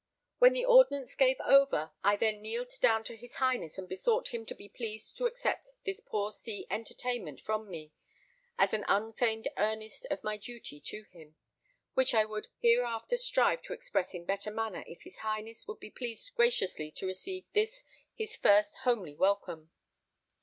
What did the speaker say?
When the ordnance gave over, I then kneeled down to his Highness and besought him to be pleased to accept this poor sea entertainment from me, as an unfeigned earnest of my duty to him, which I would hereafter strive to express in better manner if his Highness would be pleased graciously to receive this his first homely welcome.